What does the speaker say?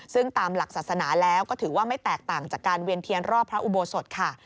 ซึ่งตามหลักศาสนาแล้วก็ถือว่าไม่แตกต่างจากการเวียนเทียนรอบพระอุโบสถค่ะ